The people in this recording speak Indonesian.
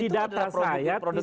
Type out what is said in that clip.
di data saya saya tidak menemukan